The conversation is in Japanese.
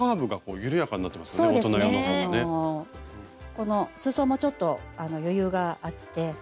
このすそもちょっと余裕があって。